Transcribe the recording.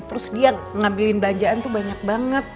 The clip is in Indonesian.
terus dia ngambilin belanjaan tuh banyak banget